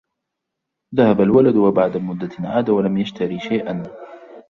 ذهب الولد وبعد مدة عاد ولم يشترى شيئاً